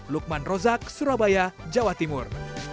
lukman rozak surabaya jawa timur